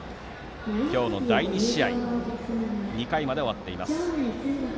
今日の第２試合２回まで終わっています。